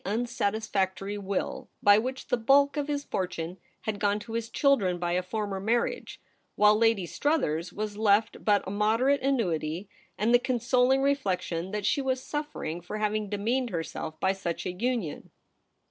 157 unsatisfactory will, by which the bulk of his fortune had gone to his children by a former marriage, while Lady Struthers was left but a moderate annuity, and the consoling re flection that she was suffering lor having demeaned herself by such a union.